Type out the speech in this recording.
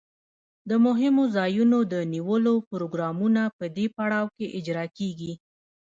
د مهمو ځایونو د نیولو پروګرامونه په دې پړاو کې اجرا کیږي.